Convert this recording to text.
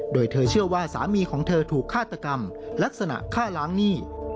โดยเธอเชื่อว่าสามีของเธอถูกฆาตกรรมลักษณะฆ่าล้างหนี้